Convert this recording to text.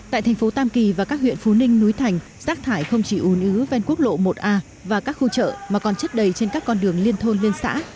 tại thành phố tam kỳ và các huyện phú ninh núi thành rác thải không chỉ ùn ứ ven quốc lộ một a và các khu chợ mà còn chất đầy trên các con đường liên thôn liên xã